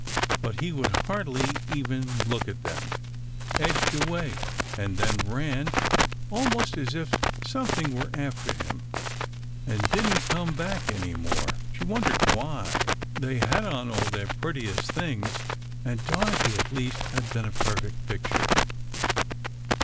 but he would hardly even look at them—edged away, and then ran, almost as if something were after him ... and didn't come back any more. She wondered why. They had on all their prettiest things, and Dorothy at least had been a perfect picture.